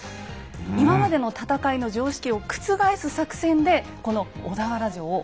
今までの戦いの常識を覆す作戦でこの小田原城を落とそうとします。